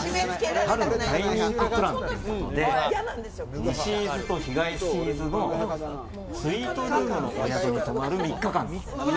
春の大人気プランということで、西伊豆と東伊豆のスイートルームのお宿に泊まる３日間です。